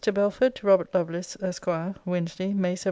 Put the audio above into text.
BELFORD, TO ROBERT LOVELACE, ESQ. WEDNESDAY, MAY 17.